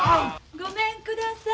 ごめんください。